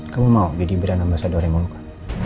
kamu mau jadi peran ambasador di molucca